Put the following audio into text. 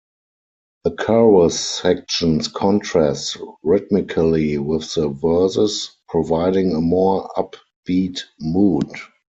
The chorus sections contrast rhythmically with the verses, providing a more upbeat mood.